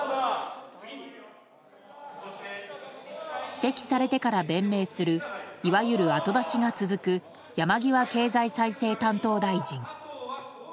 指摘されてから弁明するいわゆる後出しが続く山際経済再生担当大臣。